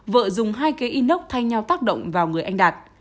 vợ dùng hai cái inox thay nhau tác động vào người anh đạt